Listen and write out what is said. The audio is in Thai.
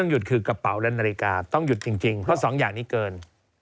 หยุดคือกระเป๋าและนาฬิกาต้องหยุดจริงเพราะสองอย่างนี้เกิน